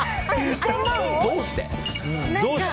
どうして？